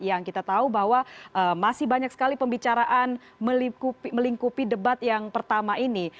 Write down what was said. yang kita tahu bahwa masih banyak sekali pembicaraan melingkupi debat yang pertama ini